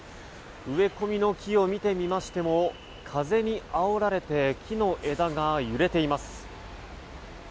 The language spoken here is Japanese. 植え込みの木を見てみましても風にあおられて木の枝が揺れています。